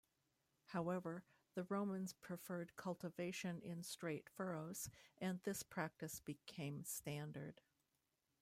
However, the Romans preferred cultivation in straight furrows and this practice became standard.